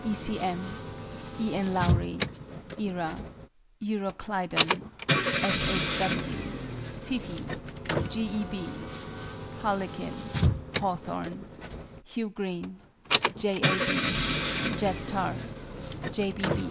E. C. M. E. N. Lowry. ERA. EUROCLYDON. F. H. W. FIFEE. G. E. B. HARLEQUIN. HAWTHORN. HOUGH GREEN. J. A. B. JACK TAR. J.